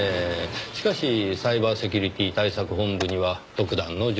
しかしサイバーセキュリティ対策本部には特段の情報もない。